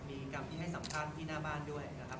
มีกรรมที่ให้สำคัญที่หน้าบ้านด้วยนะครับ